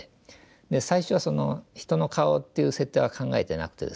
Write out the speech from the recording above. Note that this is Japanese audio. で最初は人の顔っていう設定は考えてなくてですね